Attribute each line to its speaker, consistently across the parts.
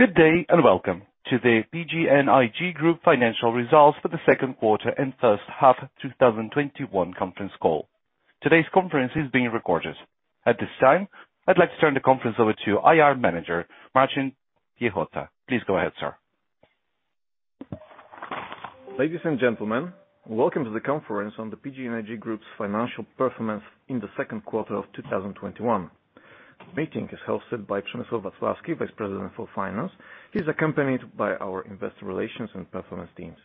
Speaker 1: Good day, and welcome to the PGNiG Group financial results for the second quarter and first half of 2021 conference call. Today's conference is being recorded. At this time, I'd like to turn the conference over to IR Manager, Marcin Piechota. Please go ahead, sir.
Speaker 2: Ladies and gentlemen, welcome to the conference on the PGNiG Group's financial performance in the second quarter of 2021. The meeting is hosted by Przemysław Wacławski, Vice President for Finance. He's accompanied by our investor relations and performance teams.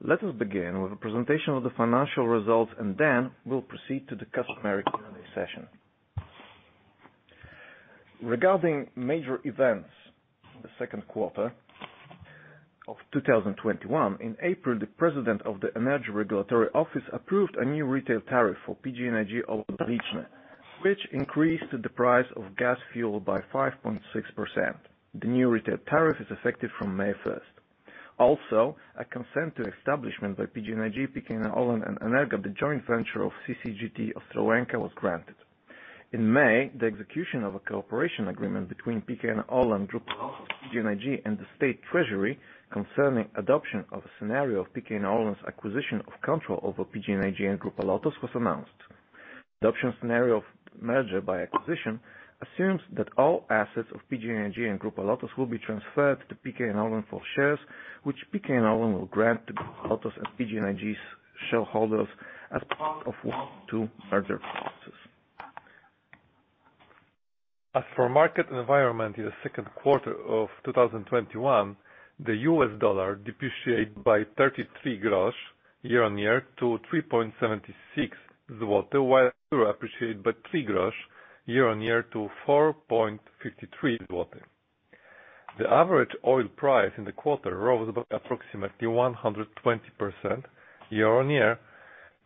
Speaker 2: Let us begin with a presentation of the financial results, and then we'll proceed to the customary Q&A session. Regarding major events in the second quarter of 2021. In April, the president of the Energy Regulatory Office approved a new retail tariff for PGNiG which increased the price of gas fuel by 5.6%. The new retail tariff is effective from May 1st. Also, a consent to establishment by PGNiG, PKN Orlen, and Energa, the joint venture of CCGT Ostroleka was granted. In May, the execution of a cooperation agreement between PKN Orlen, Grupa LOTOS, PGNiG, and the State Treasury concerning adoption of a scenario of PKN Orlen's acquisition of control over PGNiG and Grupa LOTOS was announced. The adoption scenario of merger by acquisition assumes that all assets of PGNiG and Grupa LOTOS will be transferred to PKN Orlen for shares, which PKN Orlen will grant to Grupa LOTOS and PGNiG's shareholders as part of one or two merger processes. As for market environment in the second quarter of 2021, the US dollar depreciated by 0.33 year-on-year to 3.76 zloty, while euro appreciated by 0.03 year-on-year to 4.53 zloty. The average oil price in the quarter rose by approximately 120% year-on-year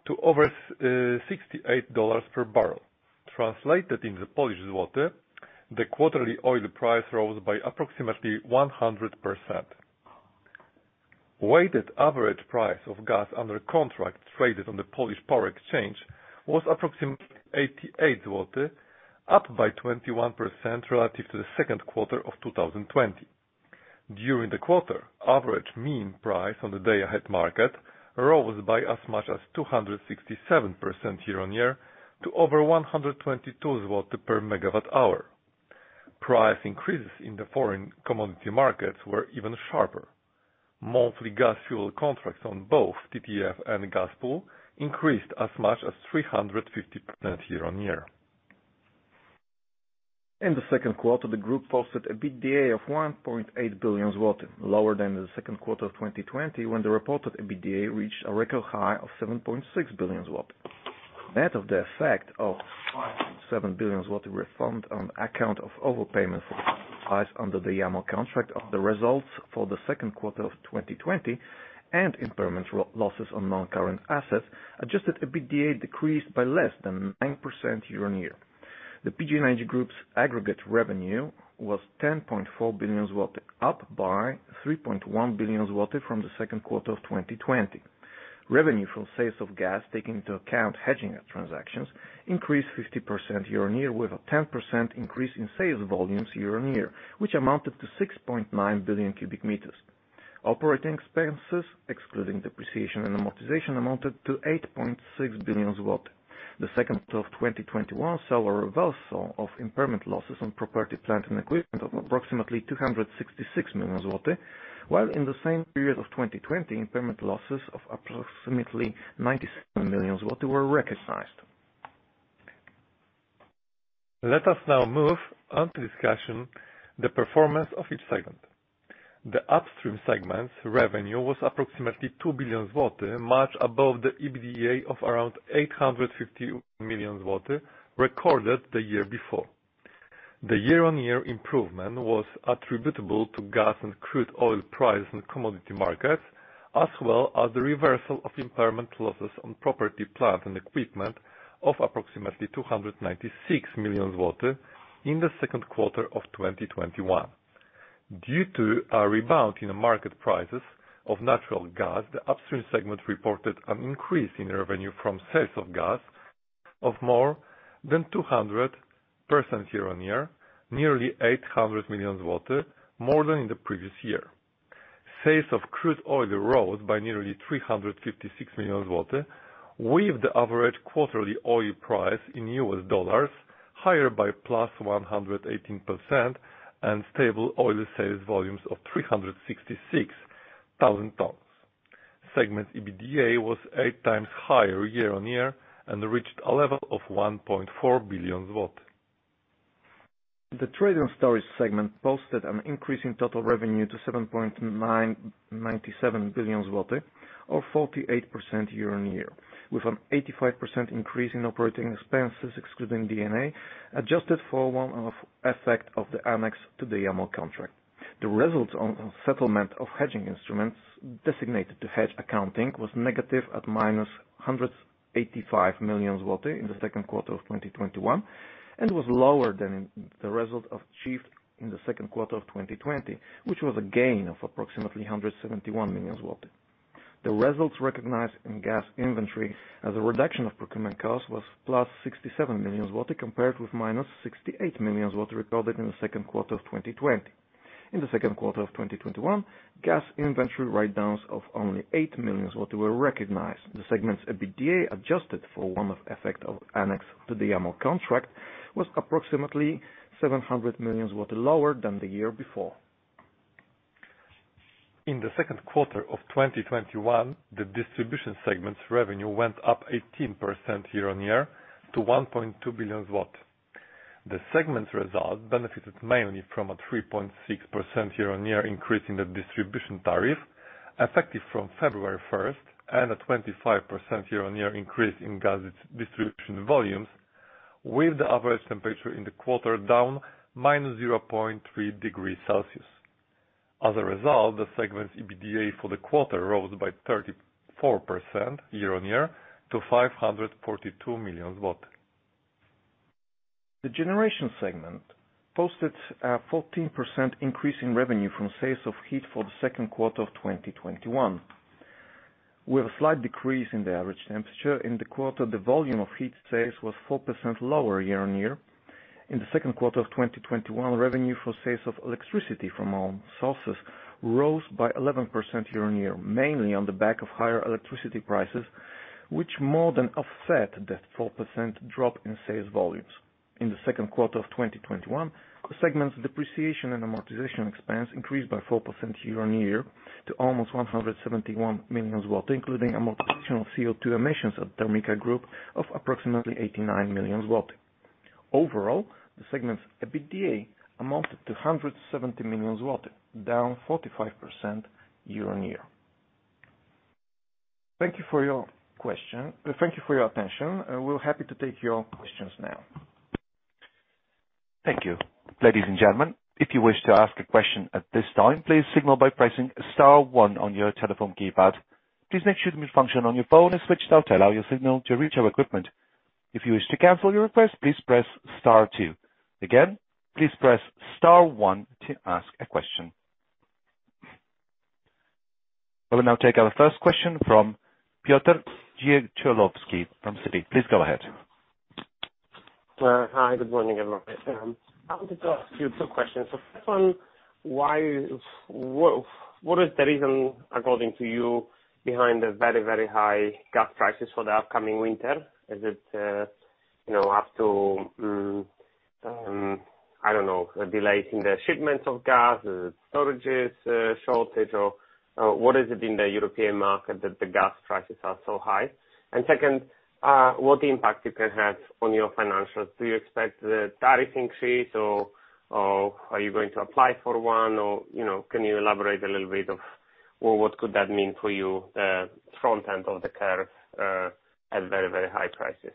Speaker 2: to over $68 per barrel. Translated in the Polish złoty, the quarterly oil price rose by approximately 100%. Weighted average price of gas under contract traded on the Towarowa Giełda Energii was approximately 88 zloty, up by 21% relative to the second quarter of 2020. During the quarter, average mean price on the day-ahead market rose by as much as 267% year-on-year to over 122 per megawatt hour. Price increases in the foreign commodity markets were even sharper. Monthly gas fuel contracts on both TTF and GASPOOL increased as much as 350% year-on-year. In the second quarter, the group posted an EBITDA of 1.8 billion zloty, lower than the second quarter of 2020 when the reported EBITDA reached a record high of 7.6 billion zloty. Net of the effect of 5.7 billion zloty refund on account of overpayment for gas supplies under the Yamal Contract of the results for the second quarter of 2020 and impairment losses on non-current assets, adjusted EBITDA decreased by less than 9% year-on-year. The PGNiG Group's aggregate revenue was 10.4 billion zloty, up by 3.1 billion zloty from the second quarter of 2020. Revenue from sales of gas, taking into account hedging transactions, increased 50% year-on-year with a 10% increase in sales volumes year-on-year, which amounted to 6.9 billion cubic meters. Operating expenses, excluding depreciation and amortization, amounted to 8.6 billion zloty. The second quarter of 2021 saw a reversal of impairment losses on property, plant, and equipment of approximately 266 million zloty, while in the same period of 2020, impairment losses of approximately 97 million zloty were recognized. Let us now move on to discussion the performance of each segment. The upstream segment's revenue was approximately 2 billion zloty, much above the EBITDA of around 850 million zloty recorded the year before. The year-on-year improvement was attributable to gas and crude oil price in commodity markets, as well as the reversal of impairment losses on property, plant, and equipment of approximately 296 million in the second quarter of 2021. Due to a rebound in the market prices of natural gas, the upstream segment reported an increase in revenue from sales of gas of more than 200% year-on-year, nearly 800 million zloty, more than in the previous year. Sales of crude oil rose by nearly 356 million zloty, with the average quarterly oil price in US dollars higher by +118% and stable oil sales volumes of 366,000 tons. Segment EBITDA was eight times higher year-on-year and reached a level of 1.4 billion. The trade and storage segment posted an increase in total revenue to 7.97 billion zlotys, or 48% year-on-year, with an 85% increase in operating expenses, excluding D&A, adjusted for one-off effect of the annex to the Yamal Contract. The result on settlement of hedging instruments designated to hedge accounting was negative at minus 185 million zloty in the second quarter of 2021 and was lower than the result achieved in the second quarter of 2020, which was a gain of approximately 171 million zloty. The results recognized in gas inventory as a reduction of procurement costs was plus 67 million zloty, compared with minus 68 million zloty recorded in the second quarter of 2020. In the second quarter of 2021, gas inventory write-downs of only 8 million were recognized. The segment's EBITDA, adjusted for one-off effect of annex to the Yamal Contract, was approximately 700 million lower than the year before. In the second quarter of 2021, the Distribution segment's revenue went up 18% year-on-year to 1.2 billion. The segment's result benefited mainly from a 3.6% year-on-year increase in the distribution tariff, effective from February 1st, and a 25% year-on-year increase in gas distribution volumes, with the average temperature in the quarter down -0.3 degrees Celsius. As a result, the segment's EBITDA for the quarter rose by 34% year-on-year to 542 million zloty. The Generation segment posted a 14% increase in revenue from sales of heat for the second quarter of 2021. With a slight decrease in the average temperature in the quarter, the volume of heat sales was 4% lower year-on-year. In the second quarter of 2021, revenue for sales of electricity from all sources rose by 11% year-on-year, mainly on the back of higher electricity prices, which more than offset the 4% drop in sales volumes. In the second quarter of 2021, the segment's depreciation and amortization expense increased by 4% year-on-year to almost 171 million, including amortization of CO2 emissions at PGNiG TERMIKA of approximately 89 million. Overall, the segment's EBITDA amounted to 170 million, down 45% year-on-year. Thank you for your attention. We're happy to take your questions now.
Speaker 1: Thank you. Ladies and gentlemen, if you wish to ask a question at this time, please signal by pressing star one on your telephone keypad. Please make sure the mute function on your phone is switched off to allow your signal to reach our equipment. If you wish to cancel your request, please press star two. Again, please press star one to ask a question. We will now take our first question from Piotr Dzięciołowski from Citi. Please go ahead.
Speaker 3: Hi, good morning, everyone. I wanted to ask you two questions. First one, what is the reason, according to you, behind the very high gas prices for the upcoming winter? Is it up to delays in the shipments of gas? Is it storage shortage? What is it in the European market that the gas prices are so high? Second, what impact it can have on your financials? Do you expect the tariff increase or are you going to apply for one? Can you elaborate a little bit of what could that mean for you, the front end of the curve at very high prices?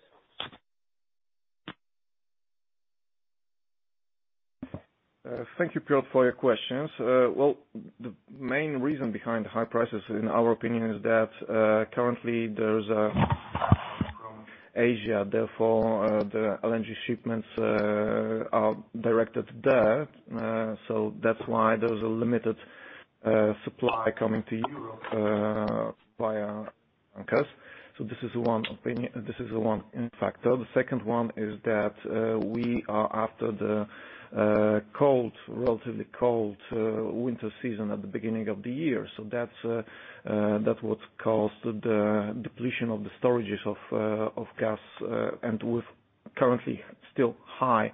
Speaker 2: Thank you, Piotr, for your questions. Well, the main reason behind the high prices, in our opinion, is that currently there's a demand from Asia, therefore, the LNG shipments are directed there. That's why there's a limited supply coming to Europe via tankers. This is one factor. The second one is that we are after the relatively cold winter season at the beginning of the year. That's what caused the depletion of the storages of gas. With currently still high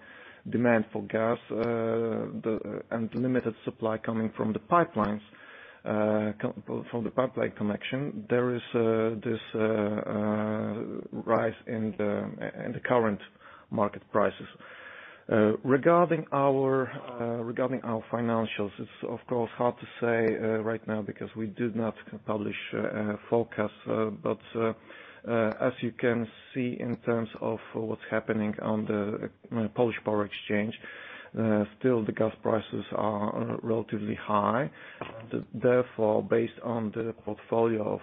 Speaker 2: demand for gas and limited supply coming from the pipeline connection, there is this rise in the current market prices. Regarding our financials, it's of course hard to say right now because we did not publish forecasts. As you can see in terms of what's happening on the Towarowa Giełda Energii, still the gas prices are relatively high. Therefore, based on the portfolio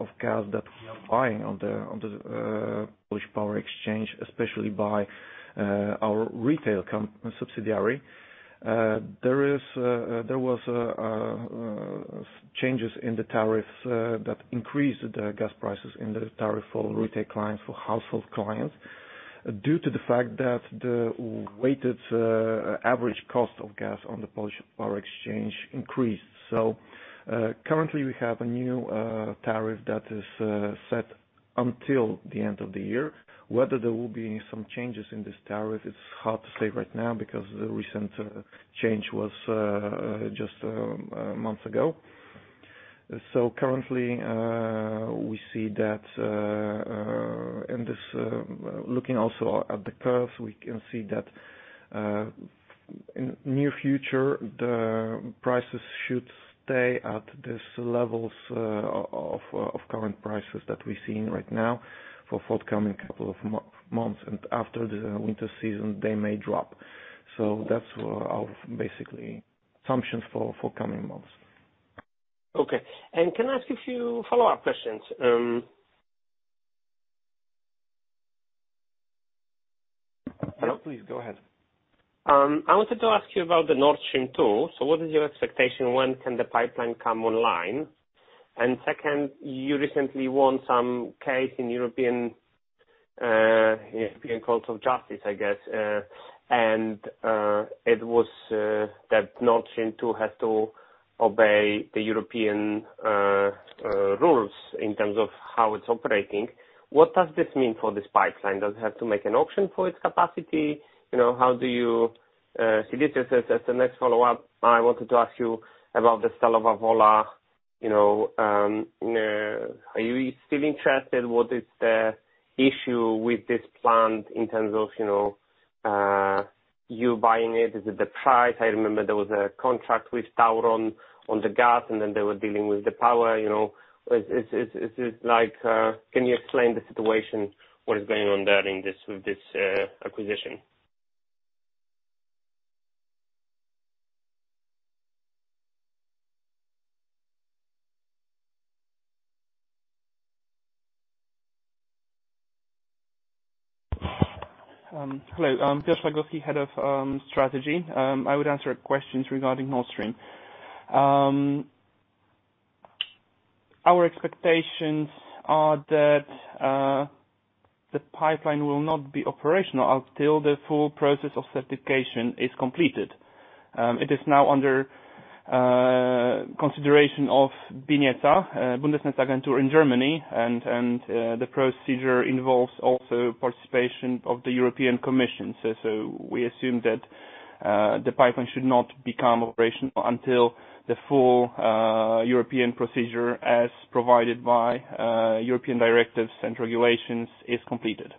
Speaker 2: of gas that we are buying on the Towarowa Giełda Energii, especially by our retail subsidiary, there was changes in the tariffs that increased the gas prices in the tariff for retail clients, for household clients, due to the fact that the weighted average cost of gas on the Towarowa Giełda Energii increased. Currently we have a new tariff that is set until the end of the year. Whether there will be some changes in this tariff, it's hard to say right now because the recent change was just a month ago. Currently, looking also at the curves, we can see that in the near future, the prices should stay at these levels of current prices that we're seeing right now for forthcoming two months, and after the winter season, they may drop. That's our basically assumption for coming months.
Speaker 3: Okay. Can I ask a few follow-up questions?
Speaker 1: Please go ahead.
Speaker 3: I wanted to ask you about the Nord Stream 2. What is your expectation? When can the pipeline come online? Second, you recently won some case in European Court of Justice, I guess. It was that Nord Stream 2 has to obey the European rules in terms of how it's operating. What does this mean for this pipeline? Does it have to make an auction for its capacity? How do you see this? As the next follow-up, I wanted to ask you about the sale of Stalowa Wola. Are you still interested? What is the issue with this plant in terms of you buying it? Is it the price? I remember there was a contract with Tauron on the gas, and then they were dealing with the power. Can you explain the situation, what is going on there with this acquisition?
Speaker 4: Hello. Piotr Szlagowski, Head of Strategy. I would answer questions regarding Nord Stream. Our expectations are that the pipeline will not be operational until the full process of certification is completed. It is now under consideration of BNetzA, Bundesnetzagentur in Germany, and the procedure involves also participation of the European Commission. We assume that the pipeline should not become operational until the full European procedure, as provided by European directives and regulations, is completed.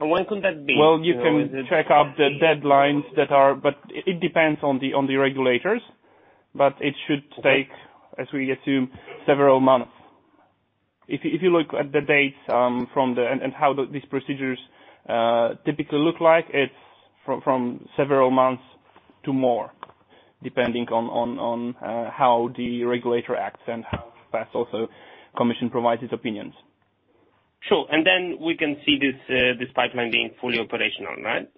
Speaker 3: When could that be?
Speaker 4: Well, you can check out the deadlines, but it depends on the regulators. It should take, as we assume, several months. If you look at the dates and how these procedures typically look like, it's from several months to more, depending on how the regulator acts and how fast also Commission provides its opinions.
Speaker 3: Sure. We can see this pipeline being fully operational, right?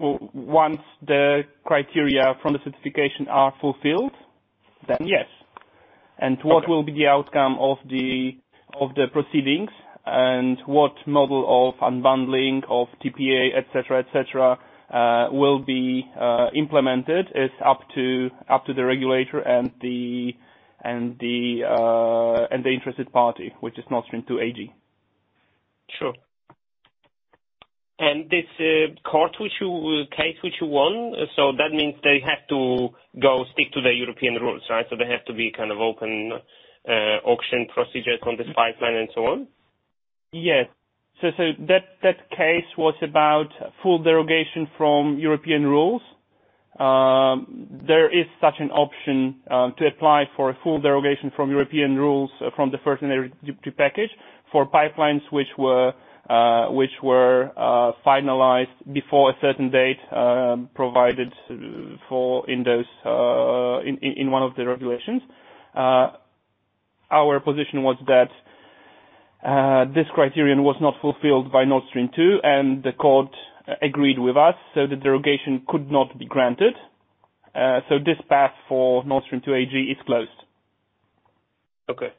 Speaker 4: Once the criteria from the certification are fulfilled, then yes. What will be the outcome of the proceedings and what model of unbundling of TPA, et cetera, will be implemented is up to the regulator and the interested party, which is Nord Stream 2 AG.
Speaker 3: Sure. This case which you won, so that means they have to go stick to the European rules, right? There has to be kind of auction procedures on this pipeline and so on.
Speaker 4: Yes. That case was about full derogation from European rules. There is such an option to apply for a full derogation from European rules, from the Third Energy Package, for pipelines which were finalized before a certain date provided in one of the regulations. Our position was that this criterion was not fulfilled by Nord Stream 2, and the court agreed with us, so the derogation could not be granted. This path for Nord Stream 2 AG is closed.
Speaker 3: Okay.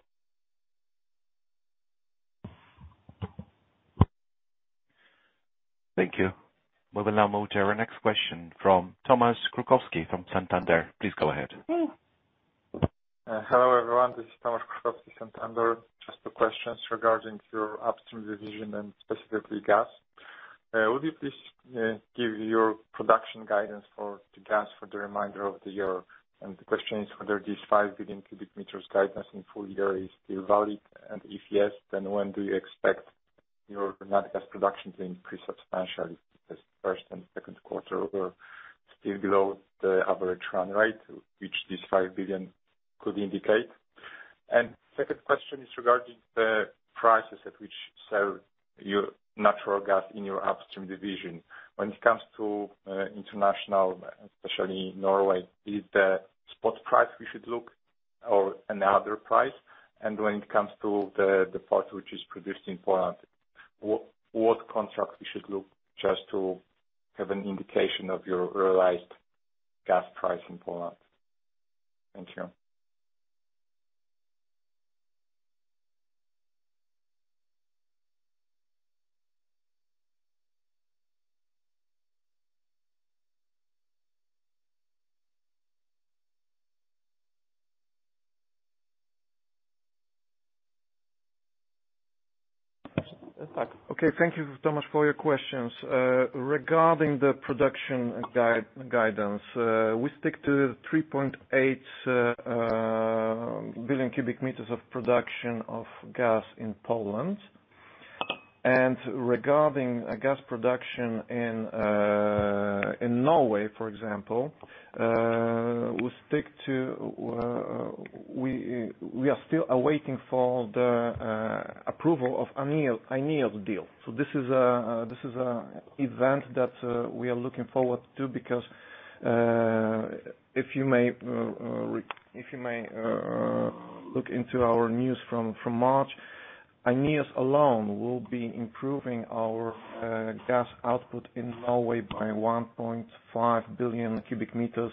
Speaker 1: Thank you. We will now move to our next question from Tomasz Krukowski from Santander. Please go ahead.
Speaker 5: Hello, everyone. This is Tomasz Krukowski, Santander. Just two questions regarding your upstream division and specifically gas. Would you please give your production guidance for the gas for the remainder of the year? The question is whether this 5 billion cubic meters guidance in full year is still valid, and if yes, then when do you expect your natural gas production to increase substantially? Because 1st and 2nd quarter were still below the average run rate, which this 5 billion could indicate. Second question is regarding the prices at which sell your natural gas in your upstream division. When it comes to international, especially Norway, is the spot price we should look or another price? When it comes to the part which is produced in Poland, what contract we should look just to have an indication of your realized gas price in Poland? Thank you.
Speaker 2: Okay. Thank you, Tomasz, for your questions. Regarding the production guidance, we stick to the 3.8 billion cubic meters of production of gas in Poland. Regarding gas production in Norway, for example, we are still awaiting for the approval of INEOS deal. This is a event that we are looking forward to because, if you may look into our news from March, INEOS alone will be improving our gas output in Norway by 1.5 billion cubic meters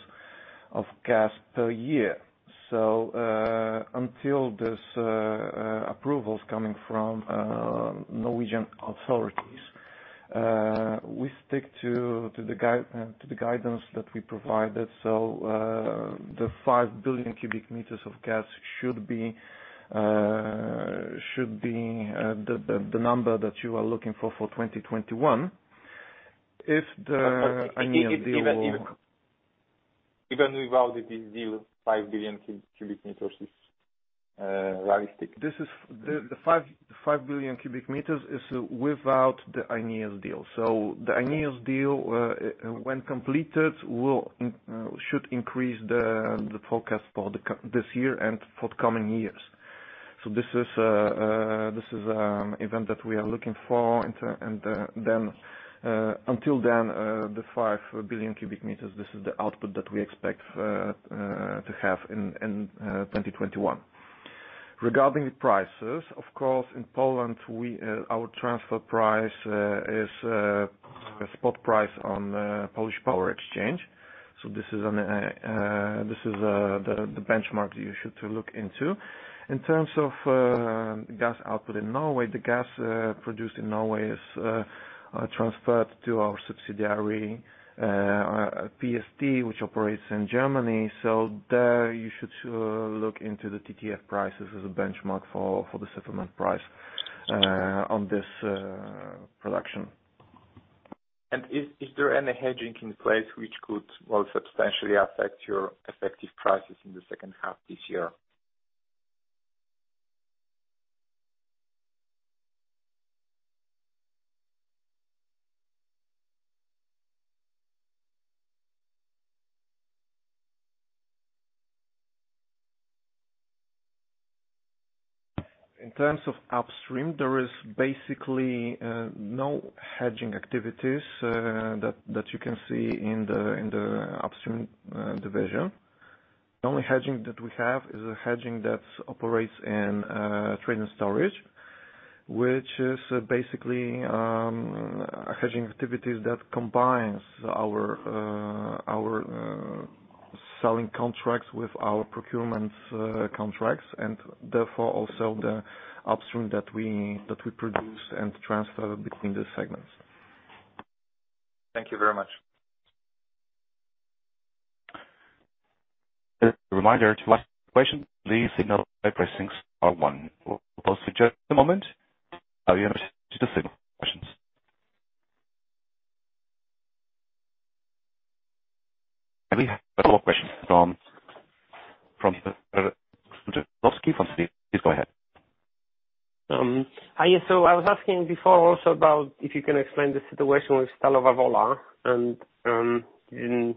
Speaker 2: of gas per year. Until these approvals coming from Norwegian authorities, we stick to the guidance that we provided. The 5 billion cubic meters of gas should be the number that you are looking for 2021.
Speaker 5: Even without this deal, 5 billion cubic meters is realistic.
Speaker 2: The 5 billion cubic meters is without the INEOS deal. The INEOS deal, when completed, should increase the forecast for this year and for the coming years. This is an event that we are looking for. Until then, the 5 billion cubic meters, this is the output that we expect to have in 2021. Regarding the prices, of course, in Poland, our transfer price is a spot price on Polish power exchange. This is the benchmark you should look into. In terms of gas output in Norway, the gas produced in Norway is transferred to our subsidiary, PST, which operates in Germany. There you should look into the TTF prices as a benchmark for the settlement price on this production.
Speaker 5: Is there any hedging in place which could well substantially affect your effective prices in the second half this year?
Speaker 2: In terms of upstream, there is basically no hedging activities that you can see in the upstream division. The only hedging that we have is a hedging that operates in trade and storage, which is basically hedging activities that combines our selling contracts with our procurement contracts, and therefore also the upstream that we produce and transfer between the segments.
Speaker 5: Thank you very much.
Speaker 1: A reminder to ask a question, please signal by pressing star one. We'll pause for just a moment. We have a follow-up question from please go ahead.
Speaker 3: Hi. I was asking before also about if you can explain the situation with Stalowa Wola, and you didn't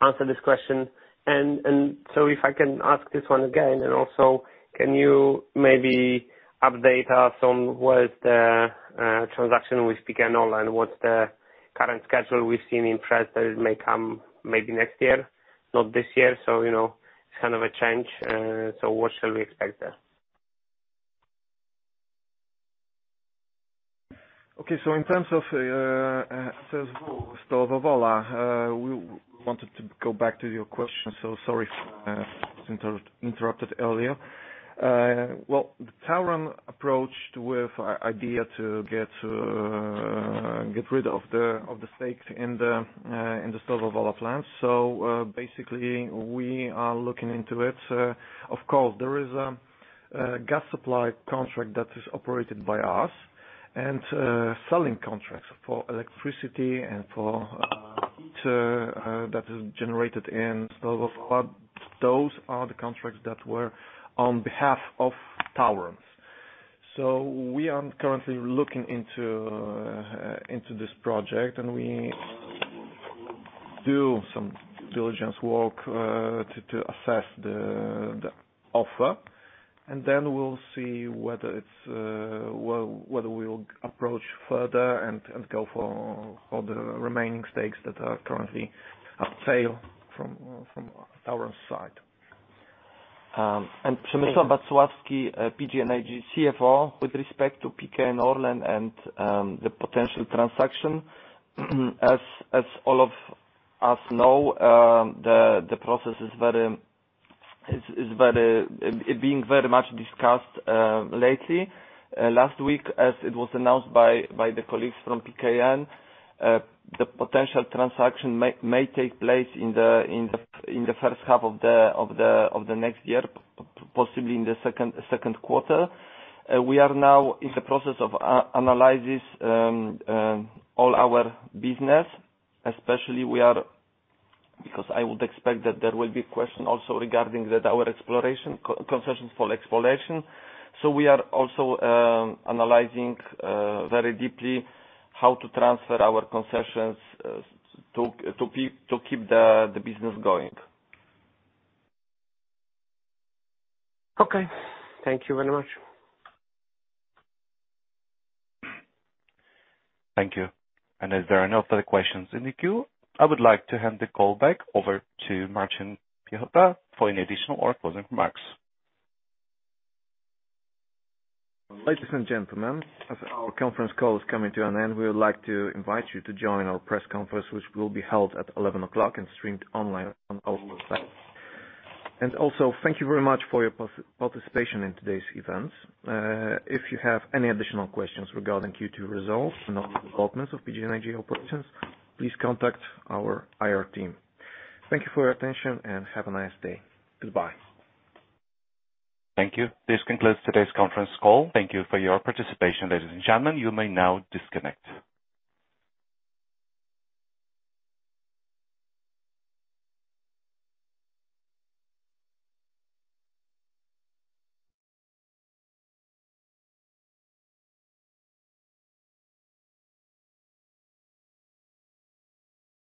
Speaker 3: answer this question. If I can ask this one again, and also, can you maybe update us on where the transaction with PKN Orlen, what's the current schedule? We've seen in press that it may come maybe next year, not this year. It's a change. What shall we expect there?
Speaker 2: Okay. In terms of Stalowa Wola, we wanted to go back to your question, so sorry if I interrupted earlier. Tauron approached with idea to get rid of the stake in the Stalowa Wola plant. Basically, we are looking into it. Of course, there is a gas supply contract that is operated by us and selling contracts for electricity and for heat that is generated in Stalowa Wola. Those are the contracts that were on behalf of Tauron. We are currently looking into this project, and we do some diligence work to assess the offer. Then we'll see whether we'll approach further and go for all the remaining stakes that are currently up for sale from Tauron's side.
Speaker 6: Przemysław Wacławski, PGNiG CFO, with respect to PKN Orlen and the potential transaction, as all of us know, the process is being very much discussed lately. Last week, as it was announced by the colleagues from PKN, the potential transaction may take place in the first half of the next year, possibly in the second quarter. We are now in the process of analyzing all our business. Because I would expect that there will be a question also regarding our concessions for exploration. We are also analyzing very deeply how to transfer our concessions to keep the business going. Okay.
Speaker 3: Thank you very much.
Speaker 1: Thank you. As there are no further questions in the queue, I would like to hand the call back over to Marcin Piechota for any additional or closing remarks.
Speaker 2: Ladies and gentlemen, as our conference call is coming to an end, we would like to invite you to join our press conference, which will be held at 11:00 A.M. and streamed online on our website. Also, thank you very much for your participation in today's event. If you have any additional questions regarding Q2 results and developments of PGNiG operations, please contact our IR team. Thank you for your attention, and have a nice day. Goodbye.
Speaker 1: Thank you. This concludes today's conference call. Thank you for your participation. Ladies and gentlemen, you may now disconnect.